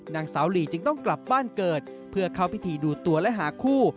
นางสาวหลีจึงต้องกลับบ้านเกิดเพื่อเข้าพิธีดูตัวและหาคู่